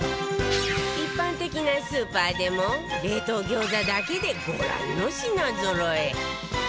一般的なスーパーでも冷凍餃子だけでご覧の品ぞろえ